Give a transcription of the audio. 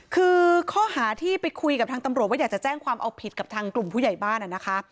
คือข้อหาที่ไปคุยกับทางตำรวจว่าอยากจะแจ้งความเอาผิดกับทางกลุ่มผู้ใหญ่บ้านนะคะ